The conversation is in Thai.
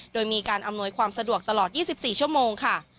โดยมีการอำนวยความสะดวกตลอด๒๔ชั่วโมงค่ะ